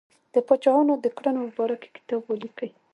د پاچاهانو د کړنو په باره کې کتاب ولیکي.